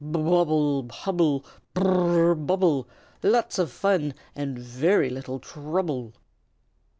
"Bubble, hubble! b r r r r r r! bubble! Lots of fun, and very little trouble!"